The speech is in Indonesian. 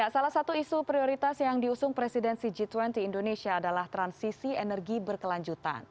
salah satu isu prioritas yang diusung presidensi g dua puluh indonesia adalah transisi energi berkelanjutan